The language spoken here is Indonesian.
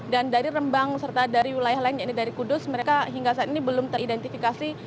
dari rembang serta dari wilayah lainnya ini dari kudus mereka hingga saat ini belum teridentifikasi